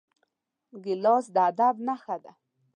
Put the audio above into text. ګیلاس د ادب نښه ده.